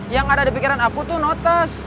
yang ada di pikiran aku tuh notes